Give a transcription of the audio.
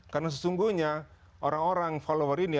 karena sesungguhnya orang orang follower ini